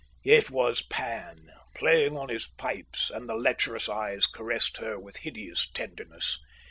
It was Pan, playing on his pipes, and the lecherous eyes caressed her with a hideous tenderness.